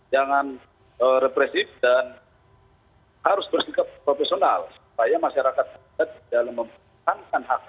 jangan represif dan harus bersikap profesional supaya masyarakat adat dalam mempertahankan haknya